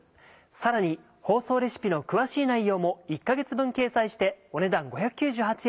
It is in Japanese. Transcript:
さらに放送レシピの詳しい内容も１か月分掲載してお値段５９８円。